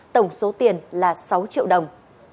tổng số tiền là sáu triệu đồng